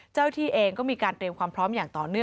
ที่เองก็มีการเตรียมความพร้อมอย่างต่อเนื่อง